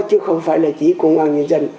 chứ không phải là chỉ công an nhân dân